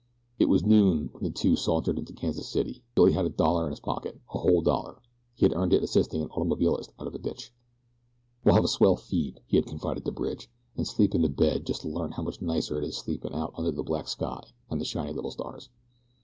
It was noon when the two sauntered into Kansas City. Billy had a dollar in his pocket a whole dollar. He had earned it assisting an automobilist out of a ditch. "We'll have a swell feed," he had confided to Bridge, "an' sleep in a bed just to learn how much nicer it is sleepin' out under the black sky and the shiny little stars."